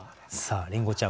りんごちゃん